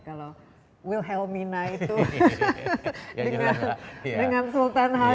kalau wilhelmina itu dengan sultan hasan